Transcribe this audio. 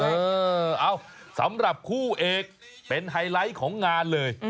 เออเอาสำหรับคู่เอกเป็นไฮไลท์ของงานเลย